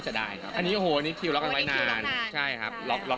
จะมีร่วมตัวพิเศษเพื่อแฟนคลับเลยค่ะ